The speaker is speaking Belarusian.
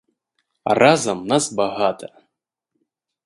А разам нас багата!